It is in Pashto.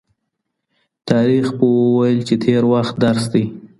تاریخ پوه وویل چې تېر وخت درس دی.